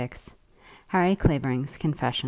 HARRY CLAVERING'S CONFESSION.